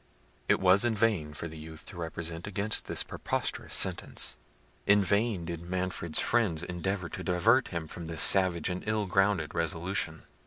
It was in vain for the youth to represent against this preposterous sentence: in vain did Manfred's friends endeavour to divert him from this savage and ill grounded resolution.